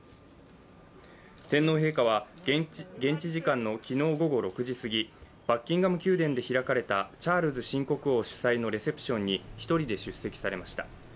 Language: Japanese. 天皇陛下は、現地時間の昨日午後６時過ぎ、バッキンガム宮殿で開かれたチャールズ新国王主催のレセプションに１人で出席されました。